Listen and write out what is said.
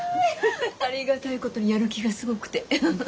ありがたいことにやる気がすごくて。